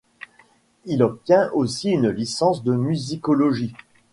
Il obtient aussi une licence de musicologie.